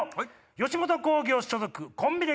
吉本興業所属コンビ歴